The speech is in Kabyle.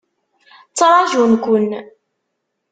Ttrajun-kun.